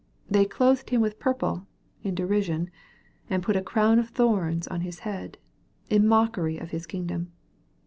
They " clothed Him with purple" in derision, and put " a crown of thorns" on His head, in mockery of his kingdom.